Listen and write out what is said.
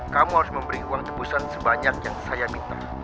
kamu harus memberi uang tebusan sebanyak yang saya minta